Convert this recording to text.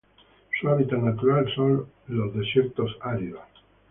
Su hábitat natural son los áridos desiertos.